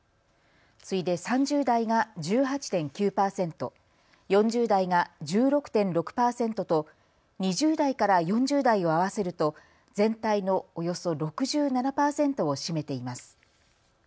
次いで３０代が１８．９％、４０代が１６．６％と２０代から４０代を合わせると全体のおよそ６７％を占めています。